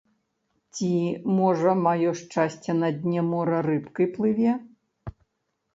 Ці, можа, маё шчасце на дне мора рыбкай плыве?